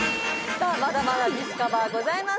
さあまだまだディスカバーございます